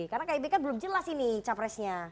karena kib kan belum jelas ini capresnya